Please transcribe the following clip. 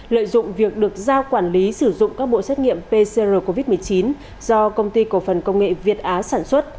lợi dụng việc được giao quản lý sử dụng các bộ xét nghiệm pcr covid một mươi chín do công ty cổ phần công nghệ việt á sản xuất